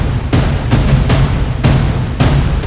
untuk kilos time